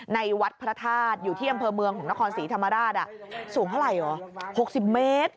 ในวัดพระธาตุอยู่ที่อำเภอเมืองของนครศรีธรรมราชสูงเท่าไหร่เหรอ๖๐เมตร